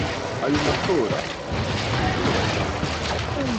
ayo matora "ateye ubwoba cyane".